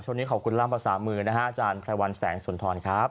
ช่วงนี้ขอบคุณล่ามภาษามือนะฮะอาจารย์ไพรวัลแสงสุนทรครับ